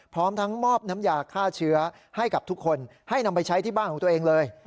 พร้อมทั้งมอบน้ำยาฆ่าเชื้อให้กับทุกคนให้นำไปใช้ที่บ้านของตัวเองเลย